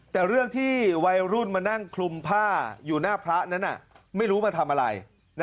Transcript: แต่เรื่องที่วัยรุ่นมานั่งคลุมผ้าอยู่หน้าพระนั้นไม่รู้มาทำอะไร